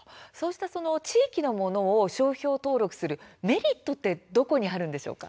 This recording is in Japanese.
地域のものを商標登録するメリットはどこにあるんでしょうか。